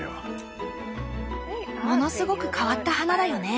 ものすごく変わった花だよね。